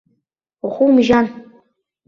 Ухы умжьан.